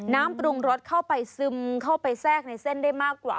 น้ำปรุงรสเข้าไปซึมเข้าไปแทรกในเส้นได้มากกว่า